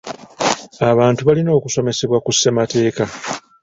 Abantu balina okusomesebwa ku ssemateeka.